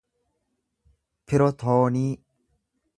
pirotoonii